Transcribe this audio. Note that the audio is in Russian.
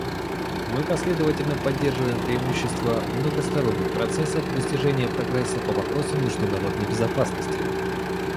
Мы последовательно поддерживаем преимущества многосторонних процессов достижения прогресса по вопросам международной безопасности.